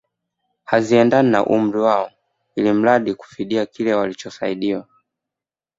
Haziendani na umri wao ilmradi kufidia kile walichosaidiwa